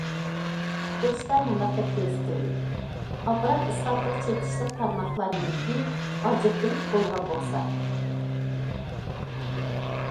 ئۇقتۇرۇشتا مۇنداق دەپ كۆرسىتىلدى: ئاپپارات ئىسلاھاتىغا چېتىشلىق تارماقلار مۈلكى ئاجرىتىلىپ بولغان بولسا.